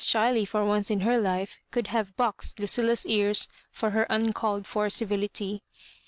Chiley for once in her life could have boxed Lu cilla's ears for her uncalled for civility.